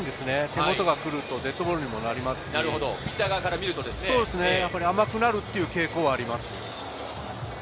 手元に来るとデッドボールになりますし、甘くなる傾向はあります。